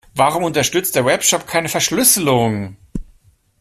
Warum unterstützt der Webshop keine Verschlüsselung?